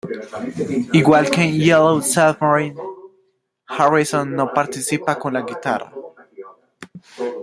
Igual que en "Yellow Submarine", Harrison no participa con la guitarra.